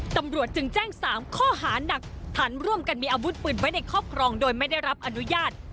ตำรวจจึงแจ้ง๓ข้อหานักฐานร่วมกันมีอาวุธปืนไว้ในครอบครองโดยไม่ได้รับอนุญาต